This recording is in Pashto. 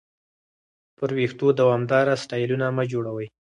پر وېښتو دوامداره سټایلونه مه جوړوئ.